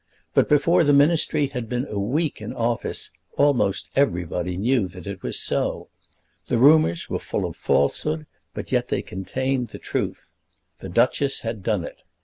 But before the Ministry had been a week in office almost everybody knew that it was so. The rumours were full of falsehood, but yet they contained the truth. The duchess had done it.